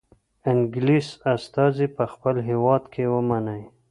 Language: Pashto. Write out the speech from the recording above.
انګلیس استازی په خپل هیواد کې ومنئ.